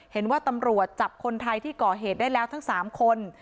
เห็นว่าตำรวจจับคนไทยที่ก่อเหตุได้แล้วทั้ง๓คน